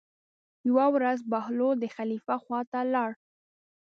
یوه ورځ بهلول د خلیفه خواته لاړ.